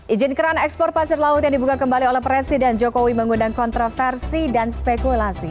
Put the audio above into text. izin keran ekspor pasir laut yang dibuka kembali oleh presiden jokowi mengundang kontroversi dan spekulasi